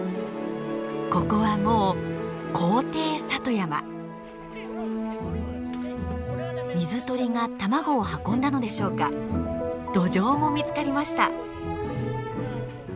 ここはもう水鳥が卵を運んだのでしょうかドジョウも見つかりました。